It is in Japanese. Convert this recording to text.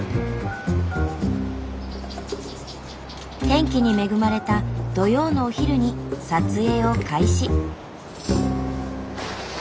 天気に恵まれた土曜のお昼に撮影を開始。